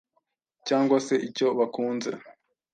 cyangwa se icyo bakunze,